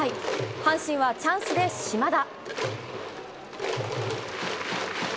阪神はチャンスで島田。